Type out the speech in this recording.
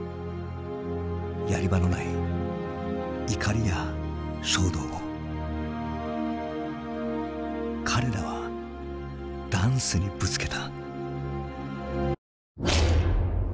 やり場のない「怒り」や「衝動」を彼らはダンスにぶつけた。